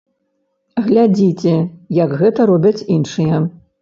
Глядзіце, як гэта робяць іншыя!